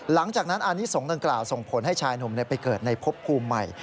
หลังจากนั้นอานิสงฆ์ดังกล่าวส่งผลให้ชายหนุ่มไปเกิดในพบภูมิใหม่